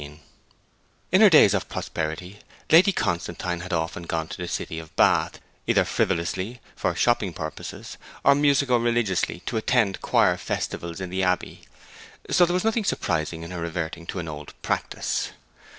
XVII In her days of prosperity Lady Constantine had often gone to the city of Bath, either frivolously, for shopping purposes, or musico religiously, to attend choir festivals in the abbey; so there was nothing surprising in her reverting to an old practice.